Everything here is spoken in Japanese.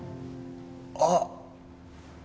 あっ